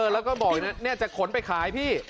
แล้วก็บอกเนี่ยเนี่ยจะขนไปขายพี่